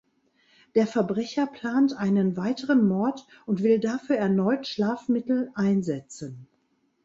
Der Verbrecher plant einen weiteren Mord und will dafür erneut Schlafmittel einsetzen.